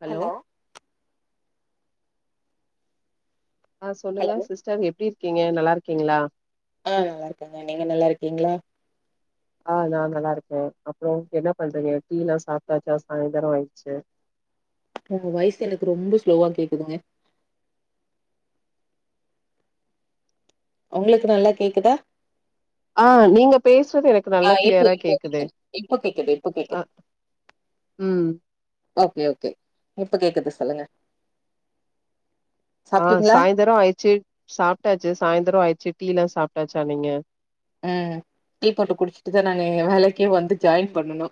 hello அ சொல்லுங்க hello sister எப்டி இ க்கீங்க நல்லாருக்கீங்களா அ நல்லாருக்கங்க நீங்க நல்லாருக்கீங்களா ஆ நா நல்லா இருக்கே அப்றோ என்ன பண்றீங்க டீ ல்லா சாப்டாச்சா சாய்ந்தரோ ஆய்ருச்சு உங்க வய்சு எனக்கு ரொம்ப ஸ்லோவா கேக்குதுங்க ஒங்களுக்கு நல்லா கேக்குதா ஆ நீங்க பேசுறது எனக்கு ஆ நல்லா இப்போ கிளியரா கேக்குது இப்போ கேக்குது இப்போ கேக்குது இப்போ அ கேக்குது ம் ஒகே ஒகே இப்ப கேக்குது சொல்லுங்க ஆ சாப்ட்டீங்களா சாய்ந்தரோ ஆயிச்சு சாப்படாச்சு சாய்ந்தரோ ஆயிச்சு டீலா சாப்டாச்சா நீங்க ம் டீ போட்டு குடிச்சுட்டுதா நாங்க இங்க வேலைக்கே வந்து ஜாயின் பண்ணுனோ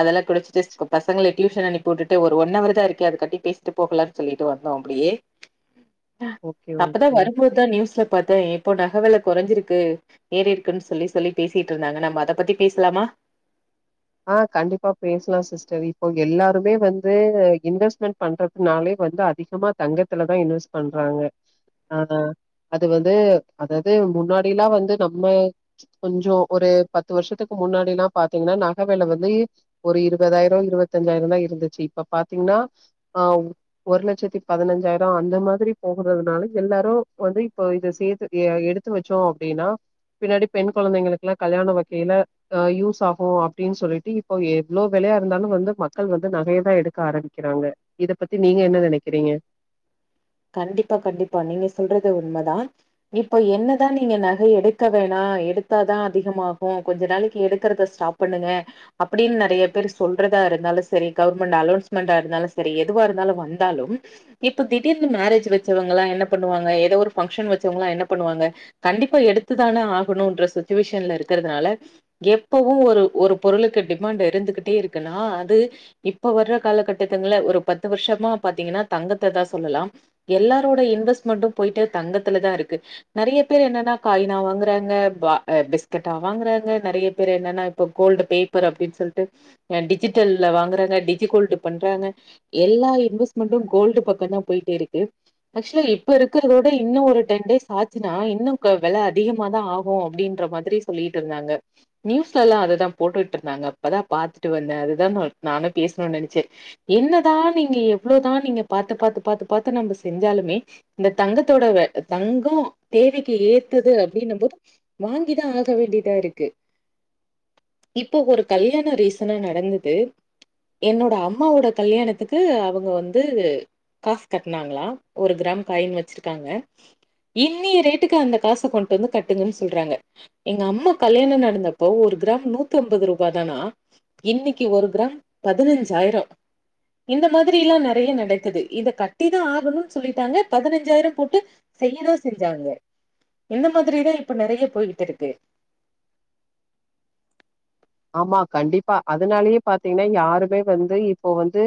அதெல்லா குடிச்சுட்டு பசங்கள டியூஷன் அனுப்பி உட்டுட்டு ஒரு ஒன் ஹவர் தா இருக்கே அதக்காட்டி பேசிட்டு போகலான் சொல்லிட்டு வந்தோ அப்பிடியே அ ஓகே அப்பதா ஓகே வரும்போ தா நியூஸ்ல பாத்தே இப்போ நகவெல கொறஞ்சிருக்கு ஏறிருக்குன்னு சொல்லி சொல்லி பேசிட்டுருந்தாங்க நம்ம அத பத்தி பேஸ்லாமா ஆ கண்டிப்பா பேசலா சிஸ்டர் இப்போ எல்லாருமே வந்து இன்வெஸ்ட்மென்ட் பண்றதுனாலே வந்து அதிகமா தங்கத்துலதா இன்வெஸ்ட் பண்றாங்க ஆ அது வந்து அதாது முன்னாடில்லா வந்து நம்ம கொஞ்சோ ஒரு பத்து வருஷத்துக்கு முன்னாடிலா பாத்தீங்ன்னா நா நகவெல வந்து ஒரு இருபதாயிரோ இருபத்தஞ்சாயிரந்தா இருந்துச்சு இப்ப பாத்தீங்னா அ ஒரு லட்சத்தி பதினஞ்சாயிரோ அந்த மாதிரி போகுறதுனால எல்லாரு வந்து இப்ப இத சேத்து எ எடுத்து வெச்சோ அப்டின்னா பின்னாடி பெண் கொழந்தைங்ளுகெல்லா கல்யாணோ வெக்கையில அ யூஸாகு அப்டின் சொல்லிட்டு இப்போ எவ்ளோ வெலையா இருந்தாலு வந்து மக்கள் வந்து நகையதா எடுக்க ஆரம்பிக்கிறாங்க இத பத்தி நீங்க என்ன நெனைக்குறிங்க கண்டிப்பா கண்டிப்பா நீங்க சொல்றது உண்மதான் இப்ப என்னதா நீங்க நகை எடுக்க வேணா எடுத்தாதா அதிகமாகு கொஞ்ச நாளைக்கு எடுக்கறத ஸ்டாப் பண்ணுங்க அப்டின் நெறைய பேர் சொல்றதா இருந்தாலு செரி கவுர்மெண்ட் அலௌன்ஸ்மெண்ட்டா இருந்தாலு செரி எதுவா இருந்தாலு வந்தாலும் இப்ப தி டிர்னு மேரேஜ் வெச்சவங்களா என்ன பண்ணுவாங்க ஏதோ ஒரு பங்க்ஷன் வெச்சவங்களா என்ன பண்ணுவாங்க கண்டிப்பா எடுத்து தான ஆகணுன்ற சுச்சிவேஷன்ல இருக்கறதுனால எப்பவு ஒரு ஒரு பொருளுக்கு டிமாண்ட் இருந்துகிட்டே இருக்குன்னா அது இப்ப வர்ற கால கட்டத்துங்களெ ஒரு பத்து வர்ஷமா பாத்திங்கனா தங்கத்த தா சொல்லலாம் எல்லாரோட இன்வெஸ்மெண்ட்டும் போய்ட்டு தங்கத்துலதா இருக்கு நெறைய பேர் என்னனா காயினா வாங்கறங்க பா அ பிஸ்கெட்டா வாங்குறாங்க நெறைய பேரு என்னெனா இப்போ கோல்டு பேப்பர் அப்டின் சொல்ட்டு அ டிஜிடெல்ல வாங்கறாங்க டிஜி கோல்டு பண்றாங்க எல்லா இன்வெஸ்ட்மெண்ட்டும் கோல்டு பக்கந்தா போய்ட்டே இருக்கு ஆக்சுலா இப்ப இருக்கறத வுட இன்னு ஒரு டென் டேஸ் ஆச்சினா இன்னு கெ வெல அதிகமாதா ஆகு அப்டின்ற மாதிரி சொல்லிட்டு இருந்தாங்க நியூஸ்லெல்லா அதுதா போட்டுட்டு இருந்தாங்க இப்பதா பாத்துட்டு வந்தே அதுதா ம நானு பேசனுன் நெனச்ச என்னதா நீங்க எவ்ளோதா நீங்க பாத்து பாத்து பாத்து பாத்து நம்ப செஞ்சாலுமே இந்த தங்கத்தோட வெ தங்கோம் தேவைக்கு ஏத்தது அப்டின்னும் போது வாங்கிதான் ஆக வேண்டியதா இருக்கு இப்போ ஒரு கல்யாணம் ரீசென்டா நடந்தது என்னோட அம்மாவோட கல்யாணத்துக்கு அவுங்க வந்து காஸ் கட்னாங்களா ஒரு கிராம் காயின் வச்சிருக்காங்க இன்னிய ரேட்டுக்கு அந்த காச கொண்டு வந்து கட்டுங்கன்னு சொல்றாங்க எங்க அம்மா கல்யாணம் நடந்தப்போ ஒரு கிராம் நூத்தம்பது ரூபா தானா இன்னிக்கி ஒரு கிராம் பதினஞ்சாயிரம் இந்த மாதிரியெல்லா நெறைய நடக்குது இத கட்டிதான் ஆகணுன் சொல்லிட்டாங்க பதினஞ்சாயிரம் போட்டு செய்யறத செஞ்சாங்க இந்த மாதிரிதான் இப்ப நெறைய போய்கிட்டு இருக்கு ஆம்மா கண்டிப்பா அதனாலயே பாத்தீங்ன்னா யாருமே வந்து இப்போ வந்து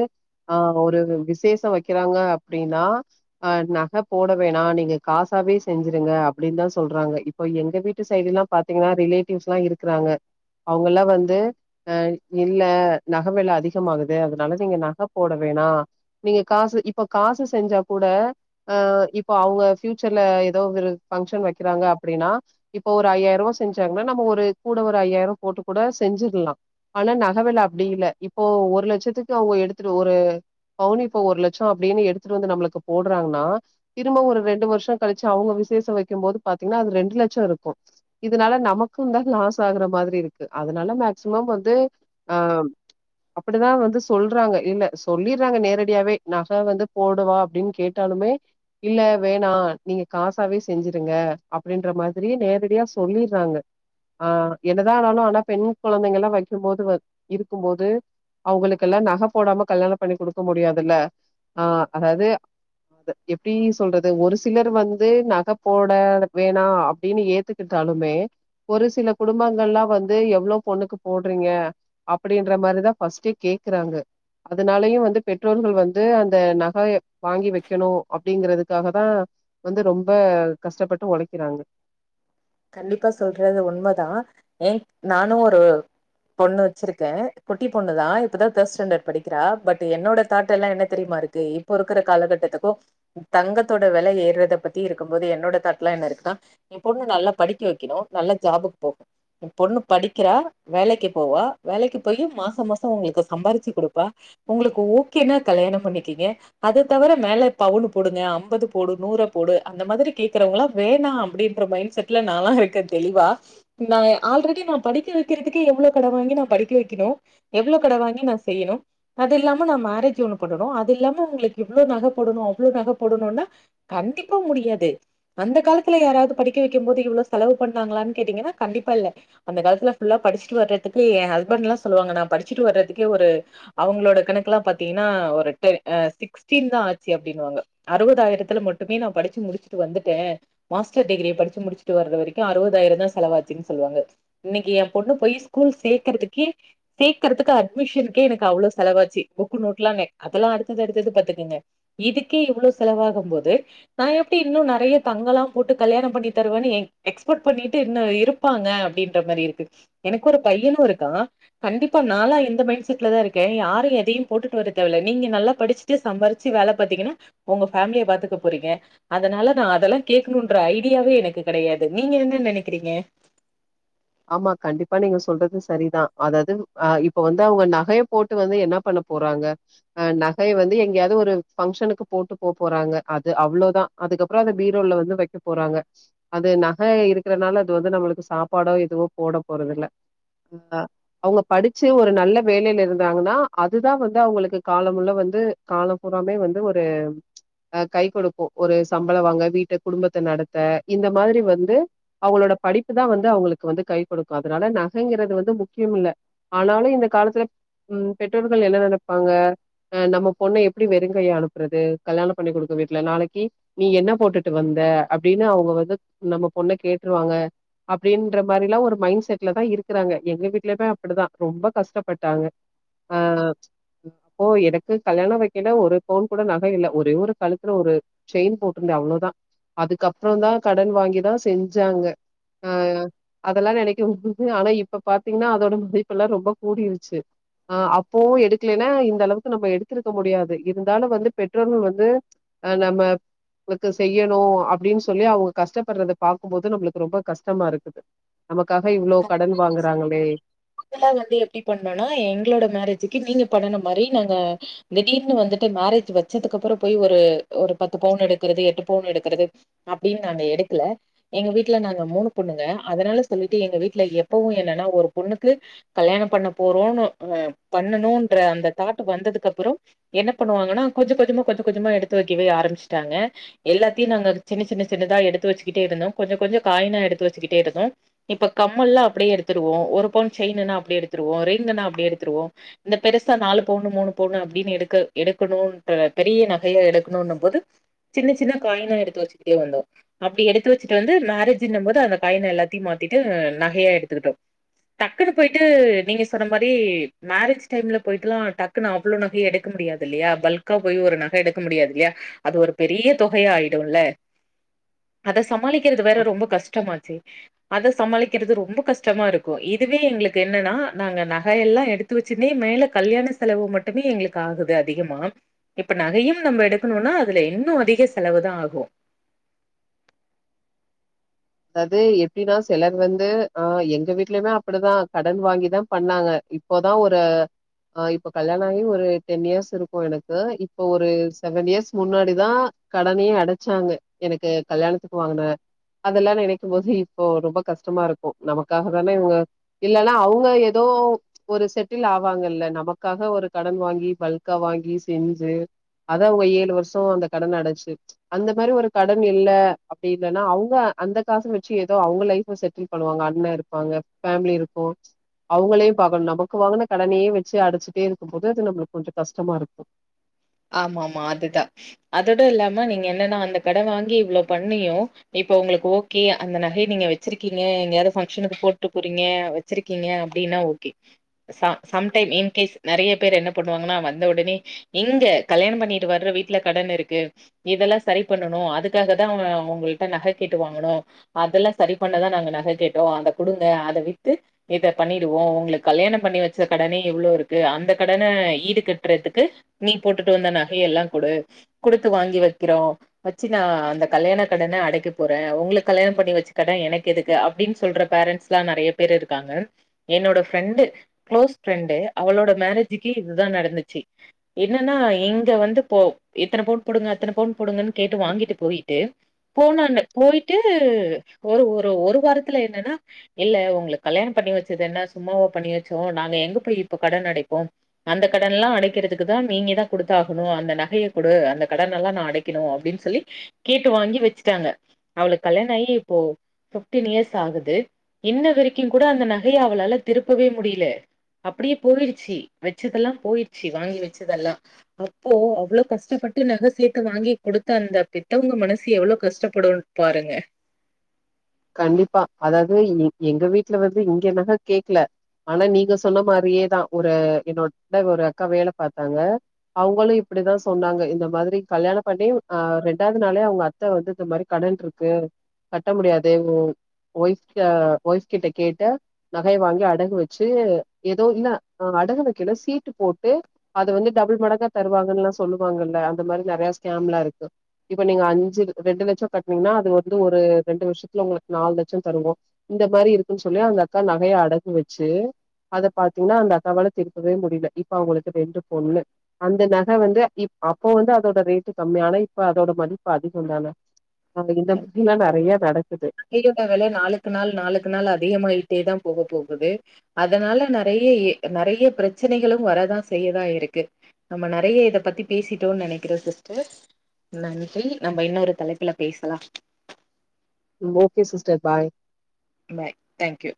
ஆ ஒரு விசேஷம் வெக்கிறாங்க அப்டின்னா அ நக போட வேணாம் நீங்க காசாவே செஞ்சிருங்க அப்டின்னு தான் சொல்றாங்க இப்போ எங்க வீட்டு சைடெல்லாம் பாத்தீங்கன்னா ரிலேட்டிவ்ஸெல்லா இருக்குறாங்க அவ்ங் இப்பெல்லா வந்து ஆ இல்ல நக வெல அதிகமாகுது அதனால நீங்க நக போட வேணா நீங்க காசு இப்ப காசு செஞ்சா கூட ஆ இப்ப அவ்ங்க ஃப்யூச்சர்ல எதோ ஒரு ஃபங்க்ஷன் வைக்கிறாங்க அப்டின்னா இப்போ ஒரு ஐயாயிரரூவா செஞ்சாங்கன்னா நம்ம ஒரு கூட ஒரு ஐயாயிரோம் ரூபா போட்டு கூட செஞ்சிர்லா ஆனா நகவெல அப்டி இல்ல இப்போ ஒரு லெச்சத்துக்கு அவ்ங்க எடுத்துட்டு ஒரு பவுனிப்போ ஒரு லெச்சம் அப்டின்னு எடுத்துட்டு வந்து நம்புளுக்கு போடுறாங்ன்னா திரும்ப ஒரு ரெண்டு வர்ஷம் கழிச்சி அவுங்க விசேஷம் வெக்கும் போது பாத்தீங்கன்னா அது ரெண்டு லெச்சோ இருக்கும் இதுனால நமக்கும்ந்தான் லாஸ் ஆகுற மாதிரி இருக் கு அதனால மேக்சிமம் வந்து ஆ அப்படிதான் வந்து சொல்றாங்க இல்ல சொல்லிர்றாங்க நேரடியாவே நக வந்து போடுவா அப்டின் கேட்டாலுமே இல்ல வேணா நீங்க காசாவே செஞ்சிருங்க அப்டின்ற மாதிரியே நேரடியா சொல்லிர்றாங்க ஆ என்னதான் ஆனாலு ஆனா பெண் கொழந்தைங்கெல்லா வைக்கிம்போது வந்து இருக்கும் போது அவுங்களுக்கெல்லா நக போடாம கல்யாணம் பண்ணிக் குடுக்க முடியாதுல்ல ஆ அதாவது எப்டி சொல்றது ஒரு சிலர் வந்து நக போட வேணா அப்டின்னு ஏத்துக்கிட்டாலுமே ஒரு சில குடும்பங்கள்ல வந்து வந்து எவ்ளோ பொண்ணுக்கு போட்றீங்க அப்டின்ற மாரிதான் ஃபஸ்டே கேக்கறாங்க அதுனாலையும் வந்து பெற்றோர்கள் வந்து அந்த நகை வாங்கி வெக்கணும் அப்டிங்கிறதுக்காக தான் வந்து ரொம்ப கஷ்டப்பட்டு ஒழைக்கிறாங்க கண்டிப்பா சொல்றது உண்ம தான் ஏ நானும் ஒரு பொண்ணு வச்சிர்க்கேன் குட்டி பொண்ணு தான் இப்பதான் தேர்ட் ஸ்டாண்டெர்ட் படிக்கிறா பட் என்னோட தாட்டெல்லாம் என்ன தெரியுமா இருக்கு இப்போ இருக்கிற காலகட்டத்துக்கும் தங்கத்தோட வெல ஏறத பத்தி இருக்கும் போது என்னோட தாட்டெலாம் என்ன இருக்குன்னா என் பொண்ணு நல்லா படிக்க வெக்குணும் நல்லா ஜாபுக்கு போகும் என் பொண்ணு படிக்கிறா வேலக்கி போவா வேலக்கி போயி மாச மாசம் உங்களுக்கு சம்பாரிச்சி குடுப்பா உங்களுக்கு ஓகேனா கல்யாணம் பண்ணிக்கீங்க அத தவிர மேலப் பவுனு போடுங்க ஐம்பது போடு நூர போடு அந்த மாதிரி கேக்குறவங்கள வேணா அப்டின்ற மைண்ட் செட் ல நானெலா இருக்கேன் தெளிவா நா ஆல்ரெடி நா படிக்க வெக்கிறதுக்கே எவ்ளோ கட வாங்கி நா படிக்க வெக்கிணும் எவ்வளோ கட வாங்கி நா செய்யிணும் அத இல்லாம நா மேரேஜ் ஒன்னு பண்ணணும் அது இல்லாம உங்களுக்கு இவ்ளோ நக போடணும் அவ்ளோ நக போடணுன்னா கண்டிப்பா முடியாது அந்த காலத்துல யாராவது படிக்க வெக் படிக்கும் போது இவ்ளோ செலவு பண்ணாங்களானு கேட்டிங்கனா கண்டிப்பா இல்ல அந்த காலத்லெ ஃபுல்லா படிச்சிட்டு வர்றதுக்கு என் ஹஸ்பெண்ட்லா சொல்லுவாங்க நா படிச்சிட்டு வர்ரதுகே ஒரு அவங்களோட கணக்கெல்லா பாத்தீங்கன்னா ஒரு இட்டே சிக்ஸ்டீன் தான் ஆச்சி அப்டின்வாங்க அறுவதாயிரத்துல மட்டுமே நா படிச்சி முடிச்சிட்டு வந்துட்டேன் மாஸ்டர் டிகிரி படிச் சி முடிச்சிட்டு வர்ற வரைக்கும் அறுவதாயிரந்தான் செலவாச்சின் சொல்வாங்க இன்னிக்கி ஏம் பொண்ணு போய் ஸ்கூல் சேக்கரதுக்கே சேக்கரத்துக்கு அட்மிஷன்கே எனக்கு அவ்ளோ செலவாச்சி புக்கு நோட்டெலானு அதெல்லா அடுத்தது அடுத்தது பாத்துக்கிங்க இதுக்கே இவ்ளோ செலவாகும்போது நா எப்டி இன்னும் நெறையா தங்கெலாம் போட்டு கல்யாணம் பண்ணி தருவானு ஏங் எக்ஸ்பட் பண்ணிட்டு இன்ன இருப்பாங்க அப்டின்ற மாரி இருக்கு எனக்கு ஒரு பையனும் இருக்கான் கண்டிப்பா நாலா இந்த மயிண்ட் செட்லதான் இருக்கேன் யாரும் எதையும் போட்டுட்டு வர தேவை இல்ல நீங்க நல்லா படிச்சிட்டு சம்பாரிச்சி வேல பாத்தீங்கனா ஒங்க ஃபேம்லிய பாத்துக்க போறிங்க அதனால நான் அதெல்லாம் கேக்குனுன்ற ஐடியாவே எனக் கு கெடையாது நீங்க என்ன நெனைக்கிறீங்க ஆம்மா கண்டிப்பா நீங்க சொல்றது சரிதான் அதது அ இப்போ வந்து அவுங்க நகயப் போட்டு வந்து என்னா பண்ண போறாங்க ஆ நகைய வந்து எங்கேயாவது ஒரு ஃபங்க்ஷனுக்கு போட்டு போக போறாங்க அது அவ்ளோதான் அதுக்கப்புற அத பீரோல்ல வந்து வக்க போறாங்க அது நக இருக்கறனால அது வந்து நம்மளுக்கு சாப்பாடோ எதுவு போட போறதில்ல ஆ அவுங்க படிச்சி ஒரு நல்ல வேலைல இருந்தாங்கன்னா அதுதான் வந்து அவுங்களுக்கு காலமுள்ள வந்து காலபூராமே வந்து ஒரு ஆஹ் கை கொடுக்கும் ஒரு சம்பள வாங்க வீட்ட குடும்பத்த நடத்த இந்த மாதிரி வந்து அவுங்களோட படிப்பு தான் வந்து அவுங்களுக் கு வந்து கை குடுக்கும் அதனால நகைங்கிறது வந்து முக்கியமில்ல ஆனாலும் இந்த காலத்துல ம் பெற்றோர்கள் என்ன நெனப்பாங்க ஆ நம்ம பொண்ண எப்டி வெறுங்கையா அனுப்றது கல்யாணம் பண்ணி குடுத்த வீட்லெ நாளக்கி நீ என்னா போட்டுட்டு வந்த அப்டின்னு அவுங்க வந்து நம்ம பொண்ண கேட்ருவாங்க அப்டீன் ற மாரிலா ஒரு மைண்ட் செட்ல தான் இருக்றாங்க எங்க வீட்லுமே அப்பிடிதான் ரொம்ப கஷ்டப்பட்டாங்க ஆ அப்போ எனக்கு கல்யாணம் வெக்கேல ஒரு பவுன் கூட நக இல்ல ஒரே ஒரு கழுத்துல ஒரு செயின் போட்ருந்தேன் அவ்ளோதான் அதுக்கப்புறந்தான் கடன் வாங்கிதான் செஞ்சாங்க ஆ அதெல்லா நெனக்கும் போது ஆனா இப்ப பாத்தீங்ன்னா அதோட மதிப்பெல்லா ரொம்போ கூடியிருச்சி ஆ அப்போவு எடுக்கலென்னா இந்த அளவுக்கு நம்போ எடுத்திருக்க முடியாது இருந்தாலு வந்து பெற்றோர்கள் வந்து அ நம்மளுக்கு செய்யணும் அப்டின் சொல்லி அவுங்க கஷ்டப்படுறத பாக்கும்போது நம்ளுக்கு ரொம்ப கஷ்டமா இருக்குது நமக் க்காக இவ்ளோ கடன் வாங்குறாங்களே நாங்கலா வந்து எப்டி பண்ணனா எங்ளோட மேரேஜுக்கு நீங்க பண்ணுன மாரி நாங்க திடீர்னு வந்துட்டு மேரேஜ் வெச்சதுக்கு அப்புற போய் ஒரு ஒரு பத்து பவுன் எடுக்கறது எட்டு பவுன் எடுக்கறது அப்டின் நாங்க எடுக்கல எங்க வீட்ல நாங்க மூணு பொண்ணுங்க அதனால சொல்லிட்டு எங்க வீட்ல எப்பவு என்னனா ஒரு பொண்ணு கு கல்யாணம் பண்ண போறோனு ஆ பண்ணணுன்ற அந்த தாட்டு வந்ததுக்கு அப்புறோ என்ன பண்ணுவாங்கனா கொஞ்ச கொஞ்சமா கொஞ்ச கொஞ்சமா எடுத்து வெக்கவே ஆரம்பிச்ட்டாங்க எல்லாத்தியு நாங்க சின்ன சின்ன சின்னதா எடுத்து வெச்சிக்கிட்டே இருந்தோம் கொஞ்ச கொஞ்ச காயினா எடுத்து வெச்சிக்கிட்டு இருந்தோம் இப்ப கம்மல்லா அப்டியே எடுத்துருவோ ஒரு பவுன் செயின்னுனா அப்டடயே எடுத்துருவோ ரிங்குனா அப்டடயே எடுத்துருவோ இந்த பெருசா நாலு பவுன்னு மூணு பவுன்னு அப்டின்னு எடுக்க எடுக்கணுன்ற பெரிய நகையா எடுக்கணுன்னம் போது சின்ன சின்ன காயினா எடுத்து வெச்சிகிட்டே வந்தோ அப்படி எடுத்து வெச்சிட்டு வந்து மேரேஜ்னமோது அந்த காயின எல்லாத்தியு மாத்திட்டு நகையா எடுத்துக்ட்டோ டக்குன்னு போயிட்டு நீங்க சொன்ன மாரி மேரேஜ் டைம்ல போயிட்டுலா டக்குன்னு அவ்ளோ நகைய எடுக்க முடியாதில்லயா பல்க்கா போய் ஒரு நக எடுக்க முடியாது இல்லியா அது ஒரு பெரிய தொகையா ஆயிடுல்ல அத சமாளிக்கிறது வேற ரொம்ப கஷ்டமாச்சே அத சமாளிக்கிறது ரொம்ப கஷ்டமா இருக்கு இதுவே எங்ளுக்கு என்னன்னா நாங்க நகையெல்லா எடுத்து வெச்சினே மேல கல்யாண செலவு மட்டுமே எங்ளுக்கு ஆகுது அதிகமா இப்ப நகையும் நம்ப எடுக்குணுன்னா அதுல இன்னு அதிக செலவுதா ஆகு அதாது எப்டின்னா செலர் வந்து ஆ எங்க வீட்லியுமே அப்டுதா கடன் வாங்கிதா பண்ணாங்க இப்பதா ஒரு ஆ இப்போ கல்யாண ஆகி ஒரு டென் இயர்ஸ் இருக்கு எனக்கு இப்போ ஒரு செவன் இயர்ஸ் முன்னாடிதா கடனயே அடைச்சாங்க எனக்கு கல்யாணத்துக்கு வாங்குன அதெல்லா நெனைக்கும் போது இப்போ ரொம்ப கஷ்டமா இருக்கு நமக்காக தானே இவுங்க இல்லன்னா அவுங்க எதோ ஒரு செட்டில் ஆவாங்க இல்ல நமக்காக ஒரு கடன் வாங்கி பல்கா வாங்கி செஞ்சி அத அவுங்க ஏழு வர்ஷோ அந்த கடன அடைச்சி அந்த மாரி ஒரு கடன் இல்ல அப்டி இல்லனா அவுங்க அந்த காச வெச்சி எதோ அவுங்க லைஃப செட்டில் பண்ணுவாங்க அண்ண இருப்பாங்க ஃபேமிலி இருக்கு அவுங்களயு பாக்கணு நமக்கு வாங்குன கடனயே வெச்சி அடச்சிட்டே இருக்கும் போது அது நம்புளுக்கு கொஞ்ச கஷ்டமா இருக்கு ஆமாம்மா அதுதா அதோட இல்லாம நீங்க என்னனா அந்த கட வாங்கி இவ்ளோ பண்ணியு இப்ப உங்ளுக்கு ஓகே அந்த நகைய நீங்க வெச்சிருக்கிங்க எங்கயாது ஃபங்க்ஷனுக்கு போட்டு போறிங்க வெச்சிருக்கிங்க அப்டின்னா ஓகே ச சம்டைம் இன் கேஸ் நெறைய பேர் என்ன பண்ணுவாங்னா வந்த உடனே எங்க கல்யாணம் பண்ணிட்டு வர்ற வீட்ல கடன் இருக்கு இதெல்லா சரி பண்ணணு அதுக்காகதா அ உங்கள்ட்ட நக கேட்டு வாங்குணோ அதெல்லா சரி பண்ணதா நாங்க நக கேட்டோ அத குடுங்க அத வித்து இத பண்ணிடுவோ உங்ளுக் கல்யாணம் பண்ணி வெச்ச கடனே இவ்ளோ இருக்கு அந்த கடன ஈடு கட்றதுக்கு நீ போட்டுட்டு வந்த நகையெல்லா குடு குடுத்து வாங்கி வெக்கிறோ வெச்சி நா அந்த கல்யாண கடன அடைக்க போறே உங்ளுக்கு கல்யாணம் பண்ணி வெச்ச கட எனக்கெதுக்கு அப்டின் சொல்ற பேரண்ட்ஸ்லா நெறைய பேரு இருக்காங்க என்னோட ஃப்ரெண்டு க்ளோஸ் ஃப்ரெண்டு அவளோட மேரேஜுக்கே இதுதா நடந்திச்சி இப் ப என்னனா இங்க வந்து போ இத்தன பவுன் போடுங்க அத்தன பவுன் போடுங்கன்னு கேட்டு வாங்கிட்டு போயிட்டு போன அண்ண போயிட்டு ஒரு ஒரு ஒரு வாரத்துல என்னனா இல்ல உங்களுக் கல்யாணம் பண்ணி வெச்சது என்ன சும்மாவா பண்ணி வெச்சோ நாங்க எங்க போய் இப்ப கடன் அடைப்போ அந்த கடன்ல்லா அடைக்கிறதுக் குதா நீங்கதா குடுத்தாகணு அந்த நகையை குடு அந்த கடனெல்லா நா அடைக்கணு அப்டின் சொல்லி கேட்டு வாங்கி வெச்சுட்டாங்க அவுளுக் கல்யாண ஆயி இப்போ ஃபிப்டின் இயர்ஸ் ஆகுது இன்ன வரிக்கு கூட அந்த நகைய அவளால திருப்பவே முடில அப்டியே போயிருச்சி வெச்சதெல்லா போயிருச்சி வாங்கி வெ ச்சதெல்லா அப்போ அவ்ளோ கஷ்டப்பட்டு நக சேத்து வாங்கி குடுத்த அந்த பித்தவங்க மனசு எவ்ளொ கஷ்டப்படுன் பாருங்க கண்டிப்பா அதாது எங் எங்க வீட்லெ வந்து இங்க நக கேக்லெ ஆனா நீங்க சொன்னா மாரியேதா ஒரு என்னோட ஒரு அக்கா வேல பாத்தாங்க அவுங்களு இப்டிதா சொன்னாங்க இந்த மாதிரி கல்யாண பண்ணி ஆ ரெண்டாவது நாளே அவுங்க அத்த வந்து இந்த மாரி கடன்ருக்கு கட்ட முடியாத் து ஒய்ஃப்ட ஒய்ஃப் கிட்ட கேட்டு நகைய வாங்கி அடகு வச்சி எதோ இல்ல அடகு வக்கல சீட்டு போட்டு அத வந்து டபுள் மடங்கா தருவாங்லா சொல்லுவாங்கல அந்த மாரி நறயா ஸ்கம்லா இருக்கு இப்ப நீங்க அஞ்சி ரெண்டு லெச்சம் கட்னீங்னா அது வந்து ஒரு ரெண்டு வருஷ் த்ல ஒங்ளுக் நால்லெச்ச தருவோ இந்த மாரி இருக்குன் சொல்லி அந்த அக்கா நகய அடகு வச்சி அத பாத்தீங்ன்னா அந்த அக்காவால திருப்பவே முடில இப்ப அவங்களுக்கு ரெண்டு பொண்ணு அந்த நக வந்து இப் அப்போ வந்து அதோட ரேட்டு கம்மி ஆனா இப்ப அதோட மதிப்பு அதிகம் தானே இந்த மாரிலா நறைய நடக் நகையோட வெல நாளுக்கு நாள் நாளுக்கு நாள் அதிகமாயிட்டே தா போக போகுது அதனால நெறைய நெறைய பிரச்சனைகளு வரதா செய்யதா இருக்கு நம்ம நறைய இத பத்தி பேசிட்டோன்னு நெனைக்கிறோ சிஸ்டர் நன்றி நம்ம இன்னொரு தலைப்புல பேசலா okay sister bye bye thank you